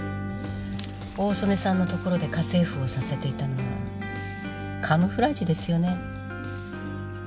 大曾根さんの所で家政婦をさせていたのはカムフラージュですよね？